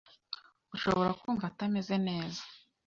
ushobora kumva atameze neza